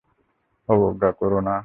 অবজ্ঞা কোরো না।